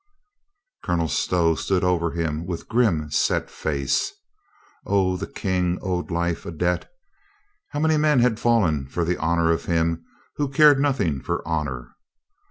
Colonel Stow stood over him with grim, set face. O, the King owed life a debt! How many men had fallen for the honor of him who cared nothing for honor?